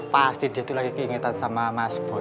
pasti dia tuh lagi keingetan sama mas boy